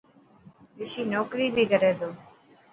رشي نوڪري بهي ڪري ٿو.